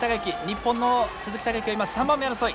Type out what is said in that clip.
日本の鈴木孝幸は今３番目争い。